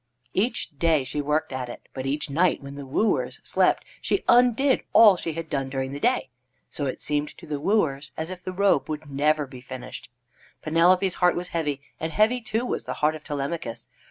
Each day she worked at it, but each night, when the wooers slept, she undid all that she had done during the day. So it seemed to the wooers as if the robe would never be finished. Penelope's heart was heavy, and heavy, too, was the heart of Telemachus.